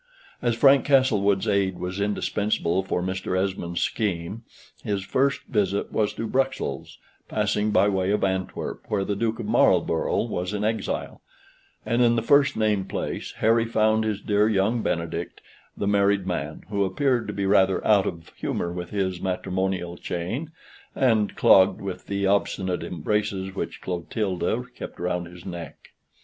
As Frank Castlewood's aid was indispensable for Mr. Esmond's scheme, his first visit was to Bruxelles (passing by way of Antwerp, where the Duke of Marlborough was in exile), and in the first named place Harry found his dear young Benedict, the married man, who appeared to be rather out of humor with his matrimonial chain, and clogged with the obstinate embraces which Clotilda kept round his neck.